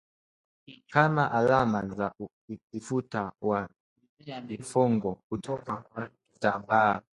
kama alama za ufuta wa sifongo kutoka kwa kitambaa